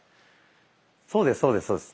そうですそうですそうです。